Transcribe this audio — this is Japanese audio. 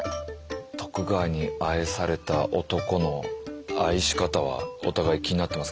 「徳川に愛された男」の愛し方はお互い気になってますからね。